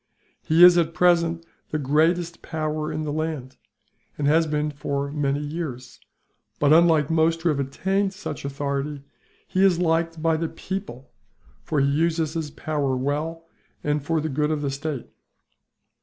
He is, at present, the greatest power in the land, and has been so for many years but, unlike most who have attained such authority, he is liked by the people, for he uses his power well, and for the good of the state.